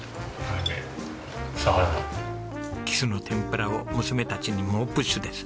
キスの天ぷらを娘たちに猛プッシュです。